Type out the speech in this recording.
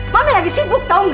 mami lagi sibuk tau gak